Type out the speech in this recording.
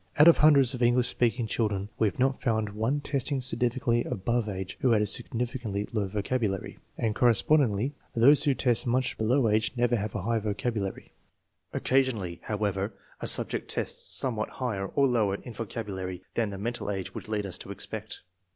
Out of hundreds of English speaking children we have not found one testing significantly above age who had a signifi cantly low vocabulary; and correspondingly, those who test much below age never have a high vocabulary. Occasionally, however, a subject tests somewhat higher or lower in vocabulary than the mental age would lead us to expect.